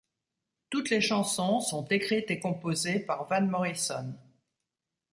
Toutes les chansons sont écrites et composées par Van Morrison.